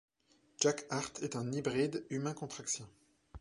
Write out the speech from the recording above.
Jack Hart est un hybride humain-contraxien.